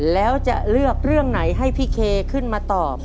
แล้วจะเลือกเรื่องไหนให้พี่เคขึ้นมาตอบ